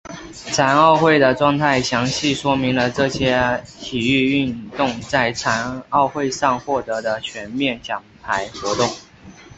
残奥会的状态详细说明了这些体育运动在残奥会上获得的全面奖牌活动。